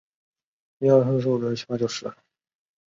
它们有时会成群的迁徙。